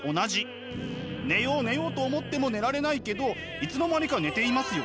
寝よう寝ようと思っても寝られないけどいつの間にか寝ていますよね？